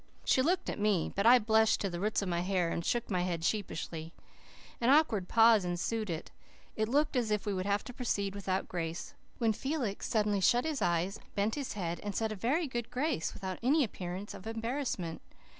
She looked at me, but I blushed to the roots of my hair and shook my head sheepishly. An awkward pause ensued; it looked as if we would have to proceed without grace, when Felix suddenly shut his eyes, bent his head, and said a very good grace without any appearance of embarrassment.